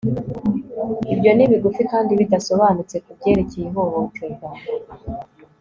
ibyo ni bigufi kandi bidasobanutse, kubyerekeye ihohoterwa